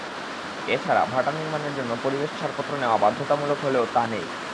এ ছাড়া ভাটা নির্মাণের জন্য পরিবেশ ছাড়পত্র নেওয়া বাধ্যতামূলক হলেও তা নেই।